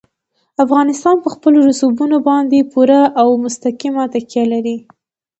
افغانستان په خپلو رسوبونو باندې پوره او مستقیمه تکیه لري.